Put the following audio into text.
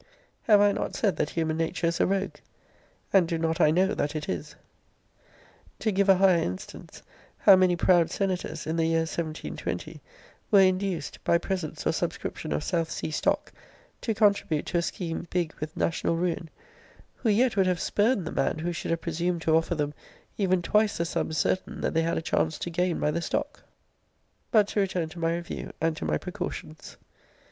Have I not said that human nature is a rogue? And do not I know that it is? * See Vol. III. Letter XXXIV. See Vol. III. Letter XXXV. and Vol. IV. Letter XXI. To give a higher instance, how many proud senators, in the year 1720, were induced, by presents or subscription of South sea stock, to contribute to a scheme big with national ruin; who yet would have spurned the man who should have presumed to offer them even twice the sum certain that they had a chance to gain by the stock? But to return to my review and to my precautions.